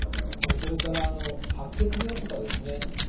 それから白血病とかですね